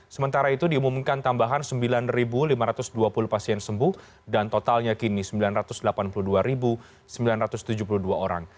sementara itu diumumkan tambahan sembilan lima ratus dua puluh pasien sembuh dan totalnya kini sembilan ratus delapan puluh dua sembilan ratus tujuh puluh dua orang